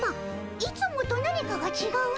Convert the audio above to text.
いつもと何かがちがうの。